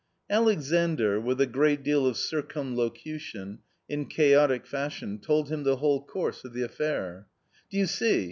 Alexandr, with a great deal of circumlocution, in chaotic fashion, told him the whole course of the affair. "Do you see?